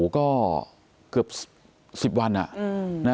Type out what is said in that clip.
ก็เกือบ๑๐วัน